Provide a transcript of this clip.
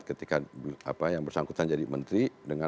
ketika bersangkutan menjadi menteri